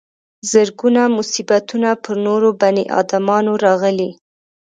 زرګونه مصیبتونه پر نورو بني ادمانو راغلي.